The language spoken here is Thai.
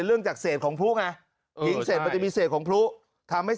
เรื่องจากเศษของพลุไง